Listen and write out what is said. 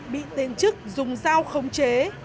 bị tên chức dùng dao không chế